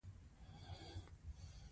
د نویو بریاوو په لور.